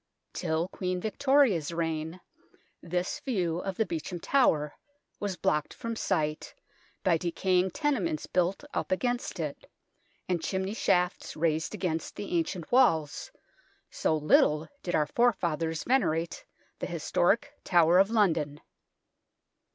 Till Queen Victoria's reign this view of the Beauchamp Tower was blocked from sight by decaying tenements built up against it, and chimney shafts raised against the ancient walls, so little did our forefathers venerate the historic Tower of London.